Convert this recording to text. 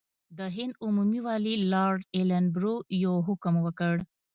د هند عمومي والي لارډ ایلن برو یو حکم وکړ.